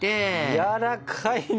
やわらかいね。